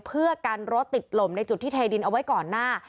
เพื่อกันรถติดหล่มในจุดที่เทดินเอาไว้ก่อนหน้า